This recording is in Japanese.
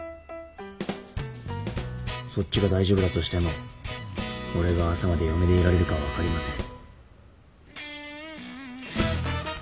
そっちが大丈夫だとしても俺は朝まで嫁でいられるか分かりません。